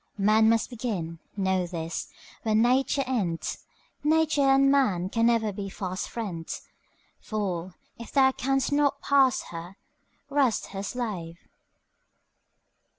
Man must begin, know this, where Nature ends; Nature and man can never be fast friends. Fool, if thou canst not pass her, rest her slave!